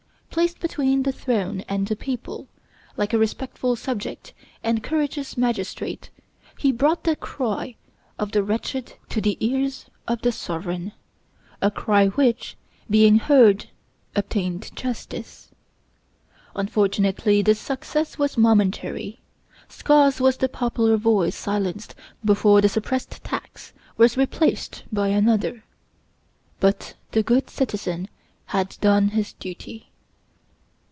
Placed between the throne and the people, like a respectful subject and courageous magistrate he brought the cry of the wretched to the ears of the sovereign a cry which, being heard, obtained justice. Unfortunately, this success was momentary. Scarce was the popular voice silenced before the suppressed tax was replaced by another; but the good citizen had done his duty.